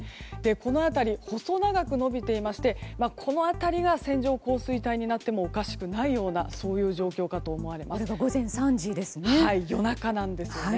この辺り細長く延びていましてこの辺りが線状降水帯になってもおかしくないような午前３時ですね。